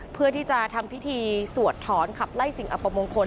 เพื่อที่จะทำพิธีสวดถอนขับไล่สิ่งอัปมงคล